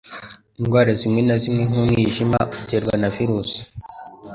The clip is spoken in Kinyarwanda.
Indwara zimwe na zimwe nk'umwijima uterwa na virusi